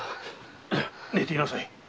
寝ていなさい。